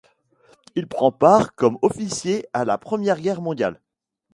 Il prend part comme officier à la Première Guerre mondiale.